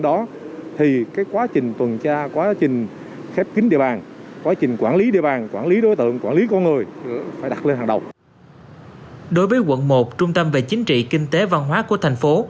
đối với quận một trung tâm về chính trị kinh tế văn hóa của thành phố